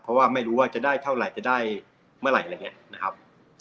เพราะว่าไม่รู้ว่าจะได้เท่าไหร่จะได้เมื่อไหร่อะไรอย่างนี้นะครับ